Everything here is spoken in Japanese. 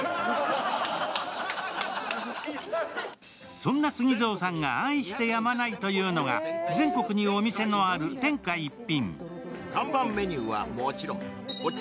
そんなＳＵＧＩＺＯさんが愛してやまないというのが、全国にお店のある天下一品。